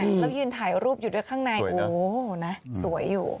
แล้วยืนถ่ายรูปอยู่ในข้างในน่ะสวยอยู่